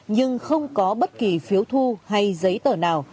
nhưng không có bất kỳ phiếu thu hay giấy tờ nào